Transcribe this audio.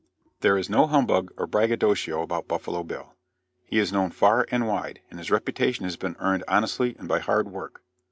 There is no humbug or braggadocio about Buffalo Bill. He is known far and wide, and his reputation has been earned honestly and by hard work.